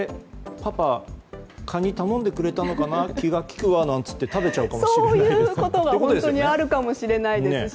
パパがカニ頼んでくれたのかな気が利くわって食べちゃうかもしれないですもんね。